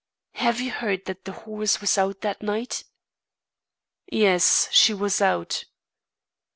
"Have you heard that the horse was out that night?" "Yes, she was out."